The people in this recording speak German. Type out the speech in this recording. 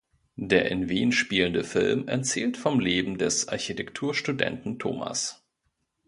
Der in Wien spielende Film erzählt vom Leben des Architekturstudenten Thomas.